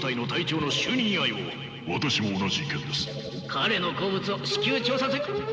彼の好物を至急調査す。